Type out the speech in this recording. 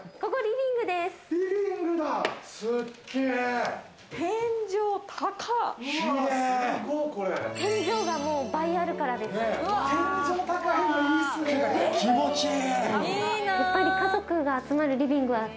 ここリビングです。